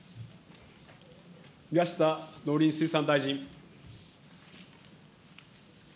宮下農林水産大臣。